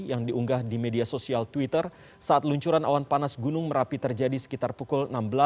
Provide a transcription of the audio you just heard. yang diunggah di media sosial twitter saat luncuran awan panas gunung merapi terjadi sekitar pukul enam belas